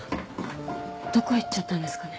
どこ行っちゃったんですかね？